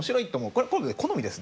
これは好みですね。